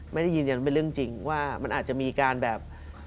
ไม่ได้ยืนยันว่าเป็นเรื่องจริงว่ามันอาจจะมีการแบบ